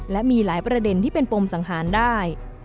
และมีหลายประเด็นที่เป็นปมสังหารได้